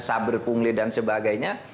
saber pungli dan sebagainya